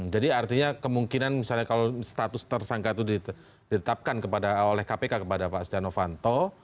jadi artinya kemungkinan misalnya kalau status tersangka itu ditetapkan oleh kpk kepada pak astiano vanto